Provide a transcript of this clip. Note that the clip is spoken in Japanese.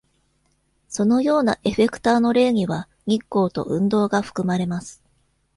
そのようなエフェクターの例には、日光と運動が含まれます。